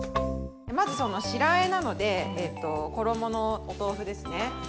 まずその白和えなのでえっと衣のお豆腐ですね。